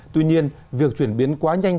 tuy nhiên việc chuyển biến quá nhanh